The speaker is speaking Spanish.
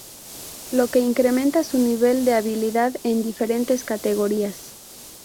Lo que incrementa su nivel de habilidad en diferentes categorías.